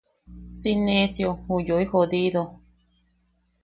¡Si nesio ju yoi jodido!